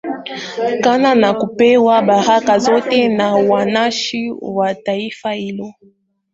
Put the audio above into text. kana na kupewa baraka zote na wananchi wa taifa hilo